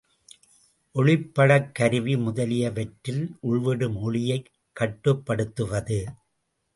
ஒளிப்படக்கருவி முதலியவற்றில் உள்விடும் ஒளியைக் கட்டுப்படுத்துவது.